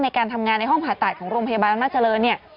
ในการทำงานในห้องผ่าตัดของโรงพยาบาลอำนาจเจริญเนี่ย